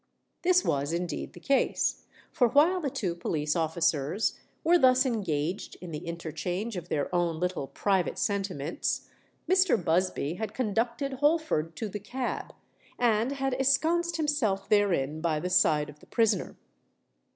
This was indeed the case; for while the two police officers were thus engaged in the interchange of their own little private sentiments, Mr. Busby had conducted Holford to the cab, and had ensconced himself therein by the side of the prisoner.